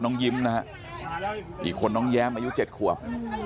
น้องยิมฮะอีกคนน้องแย้มอายุ๙ขวบ